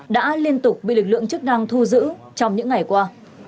đã liên tục bị lực lượng chức năng thu giữ trong những ngày qua